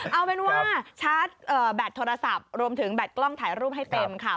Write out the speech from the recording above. เอาเป็นว่าชาร์จแบตโทรศัพท์รวมถึงแบตกล้องถ่ายรูปให้เต็มค่ะ